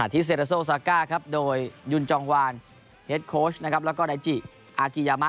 ที่เซราโซซาก้าครับโดยยุนจองวานเฮดโค้ชนะครับแล้วก็ไดจิอากิยามะ